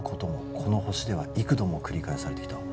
「この星では幾度も繰り返されてきた」